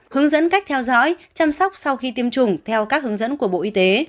hướng dẫn cách theo dõi chăm sóc sau khi tiêm chủng theo các hướng dẫn của bộ y tế